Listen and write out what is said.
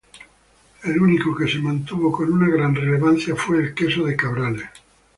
El único que se mantuvo con una gran relevancia fue el queso de Cabrales.